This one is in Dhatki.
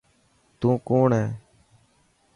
تون ڪوڻ هي.